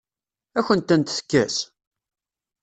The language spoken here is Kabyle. Ad akent-tent-tekkes?